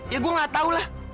ya gue gak tau lah